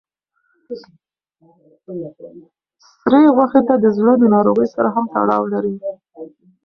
سرې غوښې د زړه ناروغۍ سره هم تړاو لري.